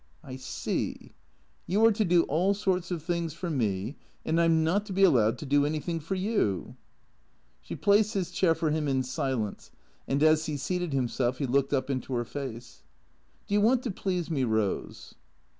" I see. You are to do all sorts of things for me, and I 'm not to be allowed to do anything for you." She placed his chair for him in silence, and as he seated him self he looked up into her face. " Do you want to please me, Eose